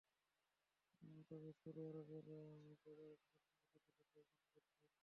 তবে সৌদি আরবের বাজার এতদিন সীমিত ছিল, তাই বেশি খরচ হয়েছে।